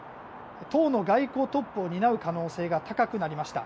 党の外交トップを担う可能性が高くなりました。